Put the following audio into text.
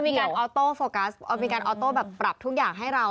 มีการออโต้โฟกัสมีการออโต้แบบปรับทุกอย่างให้เรา